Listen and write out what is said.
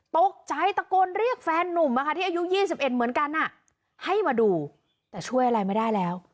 ตกใจตะโกนเรียกแฟนนุ่มที่อายุ๒๑เหมือนกันให้มาดูแต่ช่วยอะไรไม่ได้แล้ว